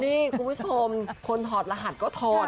นี่คุณผู้ชมคนถอดรหัสก็ถอด